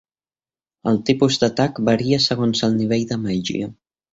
El tipus d'atac varia segons el nivell de màgia.